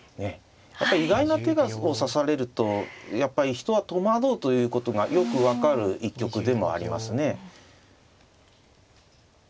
やっぱり意外な手を指されるとやっぱり人は戸惑うということがよく分かる一局でもありますね。